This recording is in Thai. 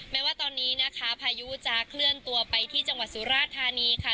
แม้ว่าตอนนี้นะคะพายุจะเคลื่อนตัวไปที่จังหวัดสุราธานีค่ะ